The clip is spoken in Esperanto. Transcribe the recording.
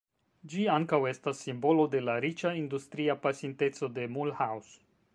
Ĝi ankaŭ estas simbolo de la riĉa industria pasinteco de Mulhouse.